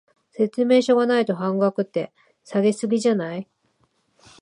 説明書がないと半額って、下げ過ぎじゃない？